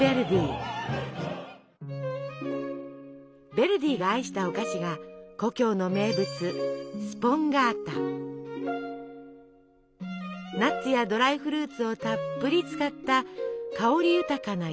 ヴェルディが愛したお菓子が故郷の名物ナッツやドライフルーツをたっぷり使った香り豊かな焼き菓子です。